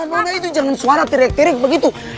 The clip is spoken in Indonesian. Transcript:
mama e tuh jangan suara teriak teriak begitu